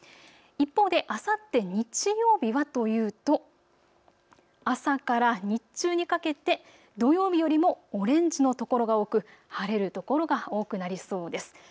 一方であさって日曜日はというと朝から日中にかけて土曜日よりもオレンジの所が多く晴れる所が多くなりそうです。